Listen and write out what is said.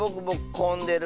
こんでる？